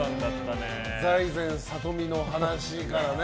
財戦、里見の話からね。